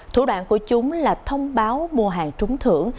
thủ đoạn của chúng là thông báo mua hàng trúng thưởng